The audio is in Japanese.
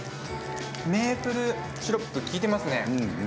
メープルシロップ、きいてますね。